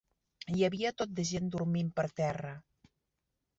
Hi havia tot de gent dormint per terra.